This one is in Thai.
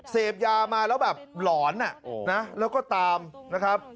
เสพยามาแล้วแบบหลอนแล้วก็ตามนะครับ